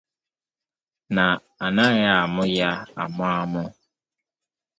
na a naghị amụ ya amụ amụ.